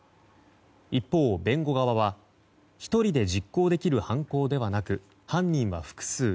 一方、弁護側は１人で実行できる犯行ではなく犯人は複数。